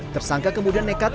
tersangka kemudian nekat